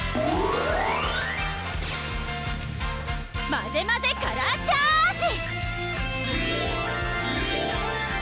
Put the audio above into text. まぜまぜカラーチャージ！